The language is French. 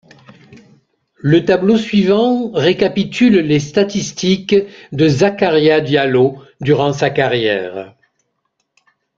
Le tableau suivant récapitule les statistiques de Zakaria Diallo durant sa carrière.